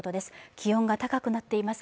気温が高くなっています。